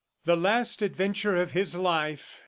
The last adventure of his life! .